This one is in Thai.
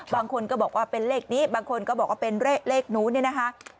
บางคนก็บอกว่าเป็นเลขนี้บางคนก็บอกว่าเป็นเลขนู้นเนี่ยนะคะ